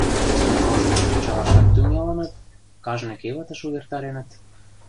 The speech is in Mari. — Можыч, кычалашат тӱҥалыныт, кажне кевытыш увертареныт.